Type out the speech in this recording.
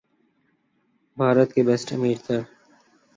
بھارت کے امیر تر